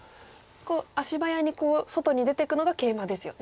足早に外に出ていくのがケイマですよね。